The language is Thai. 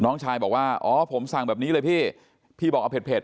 น้องชายบอกว่าอ๋อผมสั่งแบบนี้เลยพี่พี่บอกเอาเผ็ด